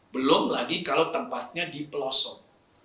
belum lagi kalau tempatnya di pelosok